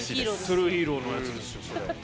トゥルーヒーローのやつですよそれ。